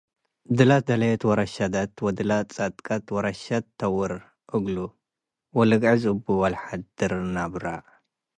ደለ ደሌት ወረሽደት ወደለ ትጸደቀት ወረሸት ተውር እግሉ ወልግዕዝ እቡ ወለሐድር ነብረ ።